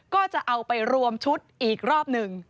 ก็จะเอาไปรวมชุดอีกรอบหนึ่ง